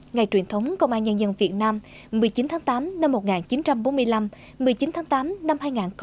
ngày truyền thống công an nhân dân việt nam một mươi chín tháng tám năm một nghìn chín trăm bốn mươi năm một mươi chín tháng tám năm hai nghìn hai mươi